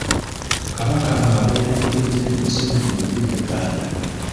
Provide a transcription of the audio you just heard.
Kabaka ng'awaya ne pulezidenti Museveni mu lubiri e Banda.